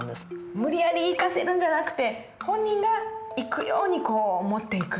無理やり行かせるんじゃなくて本人が行くようにこう持っていくと。